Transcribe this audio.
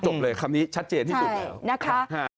จบเลยคำนี้ชัดเจนที่สุดนะคะ